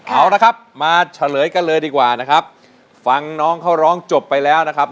เอาละครับมาเฉลยกันเลยดีกว่านะครับฟังน้องเขาร้องจบไปแล้วนะครับ